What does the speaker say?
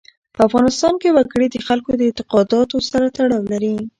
په افغانستان کې وګړي د خلکو د اعتقاداتو سره تړاو لري.